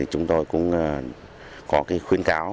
chúng tôi cũng có khuyên cáo